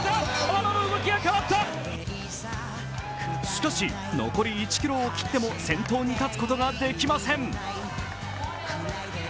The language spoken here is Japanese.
しかし、残り１ｋｍを切っても先頭に立つことができません。